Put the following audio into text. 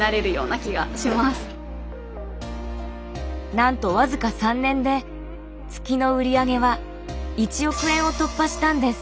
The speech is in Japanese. なんと僅か３年で月の売上は１億円を突破したんです。